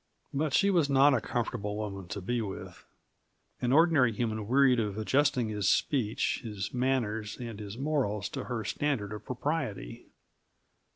But she was not a comfortable woman to be with; an ordinary human wearied of adjusting his speech, his manners, and his morals to her standard of propriety.